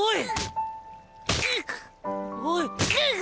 おい。